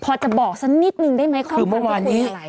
พอจะบอกสันนิดหนึ่งได้ไหมความทรัพย์ที่มีคืออะไร